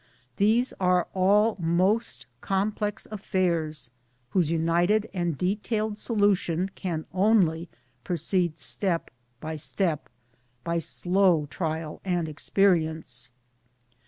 these are all most complex affairs whose united and detailed solution can only proceed step by step, by slow trial and experience.